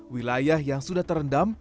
wilayah yang sudah terendam